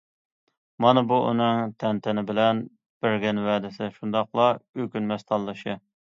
مانا بۇ، ئۇنىڭ تەنتەنە بىلەن بەرگەن ۋەدىسى، شۇنداقلا ئۆكۈنمەس تاللىشى.